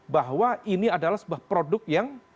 bahwa ini adalah sebuah produk yang